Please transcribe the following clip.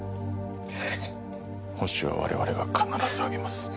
ホシは我々が必ず挙げます。